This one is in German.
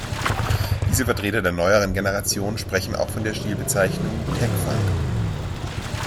Diese Vertreter der neueren Generation sprechen auch von der Stilbezeichnung Tek Funk.